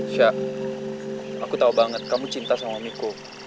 seorang tak canggung